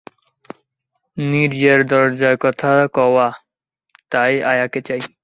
নীরজার দরকার কথা কওয়া, তাই আয়াকে চাই।